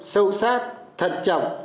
sâu sát thận trọng